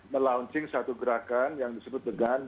melaunching satu gerakan yang disebut dengan